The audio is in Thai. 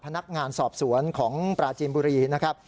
พนักงานสอบสวนของปราจีนบุรี